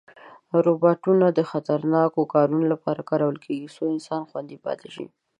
روباټونه د خطرناکو کارونو لپاره کارول کېږي، څو انسان خوندي پاتې شي.